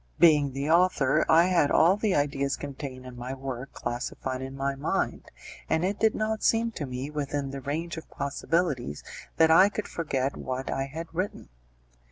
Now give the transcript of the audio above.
Being the author, I had all the ideas contained in my work classified in my mind, and it did not seem to me within the range of possibilities that I could forget what I had written.